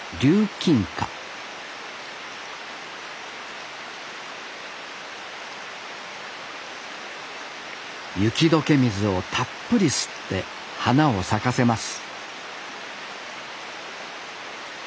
キンカ雪解け水をたっぷり吸って花を咲かせます